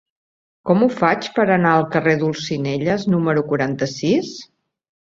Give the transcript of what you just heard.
Com ho faig per anar al carrer d'Olzinelles número quaranta-sis?